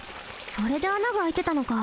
それであながあいてたのか。